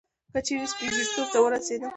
که چیري سپين ژیرتوب ته ورسېدم